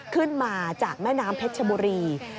ขึ้นมาจากแม่น้ำเพชรชบุรี